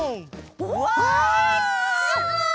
うわすごい！